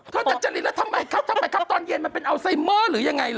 มาโดดจะลิแล้วทำไมครับทำไมครับตอนเย็นมันเป็นอัลซ่าเมอร์รึยังไงเหรอ